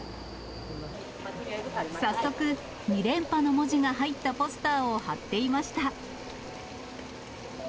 早速、２連覇の文字が入ったポスターを貼っていました。